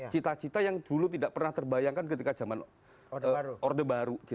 cita cita yang dulu tidak pernah terbayangkan ketika zaman orde baru